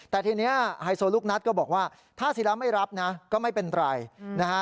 แต่ทีนี้ไฮโซลูกนัทก็บอกว่าถ้าศิราไม่รับนะก็ไม่เป็นไรนะฮะ